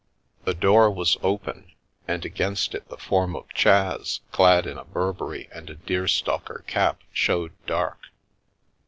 The door was open, and against it the form of Chas, clad in a Burberry and a deer stalker cap, showed dark.